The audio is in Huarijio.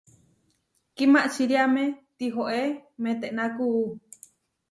Kimačiriáme tihoé metená kuú.